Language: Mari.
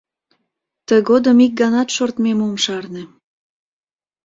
Тыгодым ик ганат шортмем ом шарне.